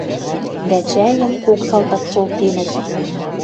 Дӓ чӓйӹм кок салтак шолтенӹт.